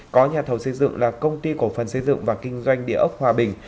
có nhà thầu xây dựng là công ty cổ phần xây dựng và kinh doanh địa ốc hòa bình